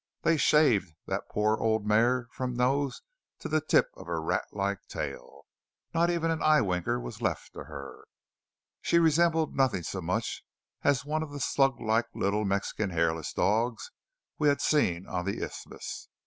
They shaved that poor old mare from nose to the tip of her ratlike tail. Not even an eye winker was left to her. She resembled nothing so much as one of the sluglike little Mexican hairless dogs we had seen on the Isthmus.